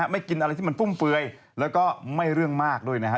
ไม่กินอะไรที่มันฟุ่มเฟือยแล้วก็ไม่เรื่องมากด้วยนะฮะ